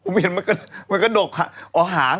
อ๋อผมเห็นมันกระดกอ๋อหาง